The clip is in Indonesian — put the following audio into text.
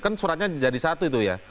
kan suratnya jadi satu itu ya